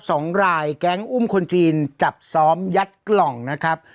สองรายแก๊งอุ้มคนจีนจับซ้อมยัดกล่องนะครับ